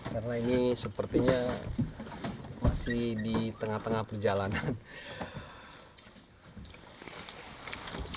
karena ini sepertinya masih di tengah tengah perjalanan